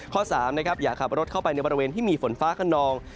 ๓นะครับอย่าขับรถเข้าไปในบริเวณที่มีฝนฟ้าขนอง